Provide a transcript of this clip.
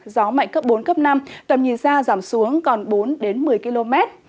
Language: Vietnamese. gió mạnh cấp bốn cấp năm tầm nhìn xa giảm xuống còn bốn đến một mươi km